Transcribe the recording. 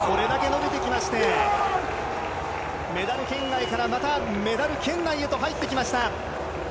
これだけ伸びてきましてメダル圏外からまたメダル圏内へと入ってきました。